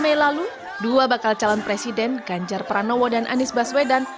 mei lalu dua bakal calon presiden ganjar pranowo dan anies baswedan